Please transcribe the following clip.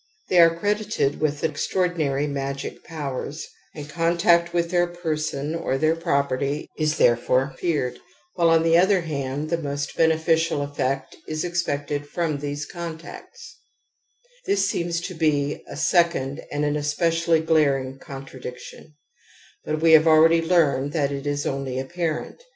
They are credited with extraordinary magic powers, and contacts with their person or their property is therefore j feared, while on the other hand the most bene J ficial effect is expected from these contactsr* This seems to be a second and an especially glar ing contradiction ; butwe have already learned G 82 TOTEM AND TABOO that it is only apparent.